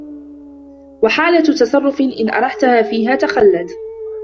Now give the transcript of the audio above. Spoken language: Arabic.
وَحَالَةُ تَصَرُّفٍ إنْ أَرَحْتهَا فِيهَا تَخَلَّتْ